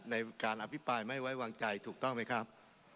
ในการอภิปรายไม่ไว้วางใจถูกต้องไหมครับ